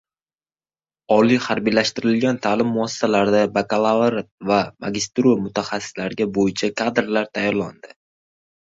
Oliy harbiylashtirilgan ta’lim muassasalarida bakalavriat va magistratura mutaxassisliklari bo‘yicha kadrlar tayyorlanadi